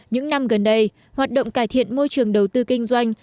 những năm gần đây hoạt động cải thiện môi trường đầu tư kinh doanh